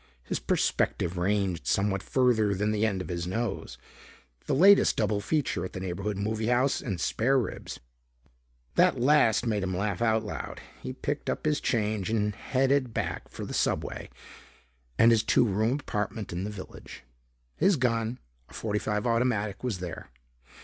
His perspective ranged somewhat further than the end of his nose, the latest double feature at the neighborhood movie house, and spare ribs. That last made him laugh out loud. He picked up his change and headed back for the subway and his two room apartment in the Village. His gun, a .45 automatic, was there.